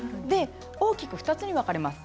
大きく２つに分かれます。